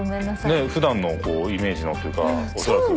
ねえふだんのイメージのというか恐らく。